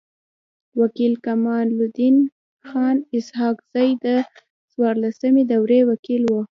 و کيل کمال الدین خان اسحق زی د څوارلسمي دوری وکيل وو.